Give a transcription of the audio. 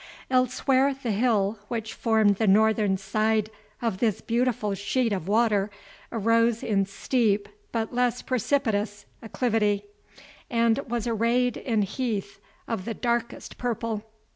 Elsewhere, the hill, which formed the northern side of this beautiful sheet of water, arose in steep, but less precipitous acclivity, and was arrayed in heath of the darkest purple.